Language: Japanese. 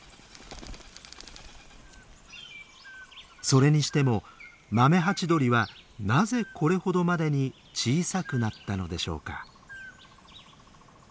それにしてもマメハチドリはなぜこれほどまでに小さくなったのでしょうか。